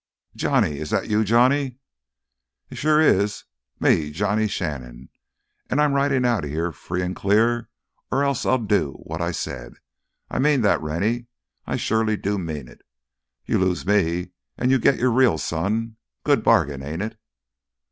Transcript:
"Johnny? Is that you, Johnny?" "It sure is! Me, Johnny Shannon! An' I'm ridin' outta here free'n clear or else I'll do what I said. I mean that, Rennie! I surely do mean it. You lose me an' you git your real son—good bargain, ain't it?"